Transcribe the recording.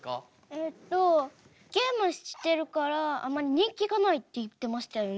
えっとゲームしてるからあまり人気がないって言ってましたよね。